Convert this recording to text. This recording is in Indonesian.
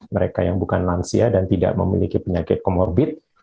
mereka yang bukan lansia dan tidak memiliki penyakit komorbit